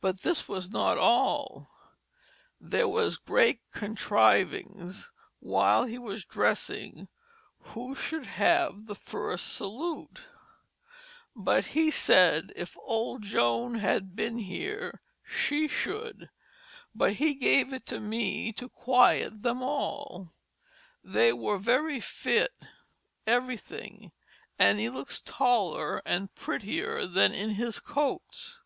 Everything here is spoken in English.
But this was not all, there was great contrivings while he was dressing who should have the first salute; but he sayd if old Joan had been here, she should, but he gave it to me to quiett them all. They were very fitt, everything, and he looks taller and prettyer than in his coats.